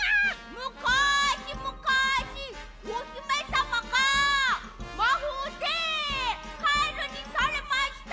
「むかしむかしおひめさまがまほうでかえるにされました。